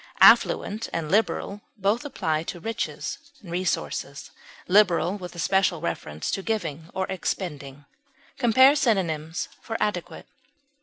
Affluent and liberal both apply to riches, resources; liberal, with especial reference to giving or expending. (Compare synonyms for ADEQUATE.)